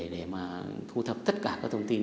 để mà thu thập tất cả các thông tin